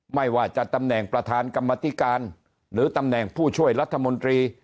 ไม่ว่าจะตำแหน่งประธานกรรมธิการหรือตำแหน่งผู้ช่วยรัฐมนตรี